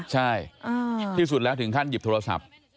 ใช่ที่สุดแล้วถึงขั้นหยิบโทรศัพท์